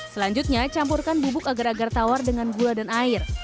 selanjutnya campurkan bubuk agar agar tawar dengan gula dan air